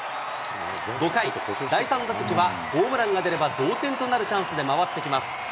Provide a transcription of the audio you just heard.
５回、第３打席は、ホームランが出れば同点となるチャンスで回ってきます。